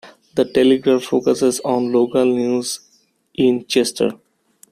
The Telegraph focuses on local news in Chester.